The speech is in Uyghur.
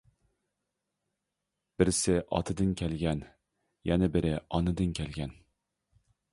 بىرسى ئاتىدىن كەلگەن، يەنە بىرى ئانىدىن كەلگەن.